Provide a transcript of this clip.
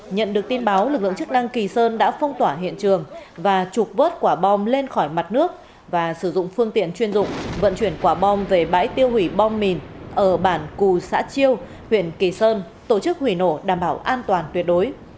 nhận được tin báo lực lượng chức năng kỳ sơn đã phong tỏa hiện trường và trục vớt quả bom lên khỏi mặt nước và sử dụng phương tiện chuyên dụng vận chuyển quả bom về bãi tiêu hủy bom mìn ở bản cù xã chiêu huyện kỳ sơn tổ chức hủy nổ đảm bảo an toàn tuyệt đối